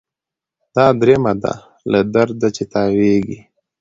دا دریمه ده له درده چي تاویږي